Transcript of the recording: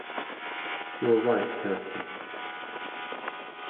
You are right, Kirstie.